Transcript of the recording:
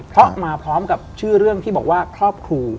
เพราะมาพร้อมกับชื่อเรื่องที่บอกว่าครอบครู